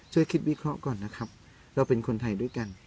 ช่วยคิดวิเคราะห์ก่อนนะครับเราเป็นคนไทยด้วยกัน